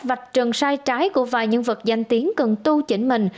vạch trần sai trái của vài nhân vật danh tiếng cần tu chỉnh mình